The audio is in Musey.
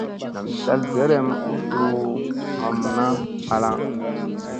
Nam cal berem u suu mamma naa halaŋ.